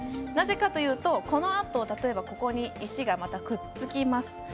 なぜかというとこのあと、例えばここに石がくっつきます。